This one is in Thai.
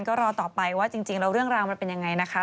ก็รอต่อไปว่าจริงแล้วเรื่องราวมันเป็นยังไงนะคะ